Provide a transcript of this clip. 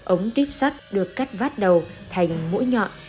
ống tuyếp sắt được cắt vát đầu thành mũi nhọn